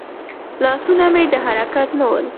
لاسونه مې د حرکت نه ول.